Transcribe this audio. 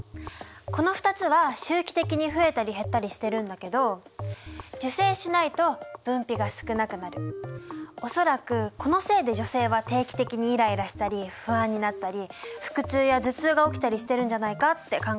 この２つは周期的に増えたり減ったりしてるんだけど恐らくこのせいで女性は定期的にイライラしたり不安になったり腹痛や頭痛が起きたりしてるんじゃないかって考えられてるの。